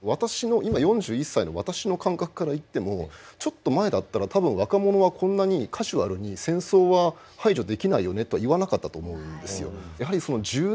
今４１歳の私の感覚からいってもちょっと前だったら多分若者はこんなにカジュアルに戦争は排除できないよねと言わなかったと思うんですよ。